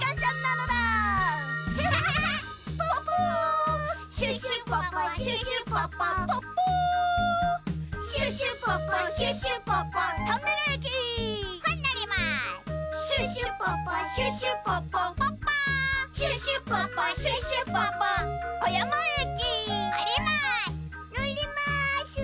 のります！